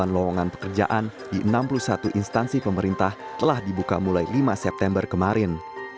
tujuh belas sembilan ratus dua puluh delapan lowongan pekerjaan di enam puluh satu instansi pemerintah telah dibuka mulai lima september kemarin